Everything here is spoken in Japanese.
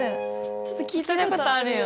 ちょっと聞いたことあるよね。